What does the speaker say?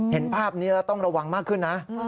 เห็นภาพนี้แล้วต้องระวังมากขึ้นนะ